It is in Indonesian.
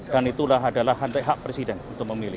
dan itulah adalah hantai hak presiden untuk memilih